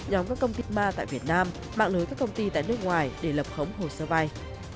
nhóm các công ty ma tại việt nam mạng lưới các công ty tại nước ngoài để lập khống hồ sơ vai